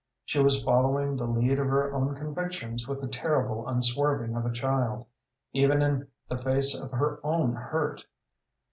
She was following the lead of her own convictions with the terrible unswerving of a child, even in the face of her own hurt.